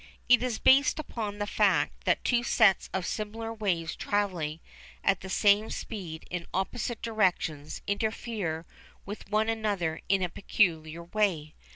It is based upon the fact that two sets of similar waves travelling at the same speed in opposite directions interfere with one another in a peculiar way.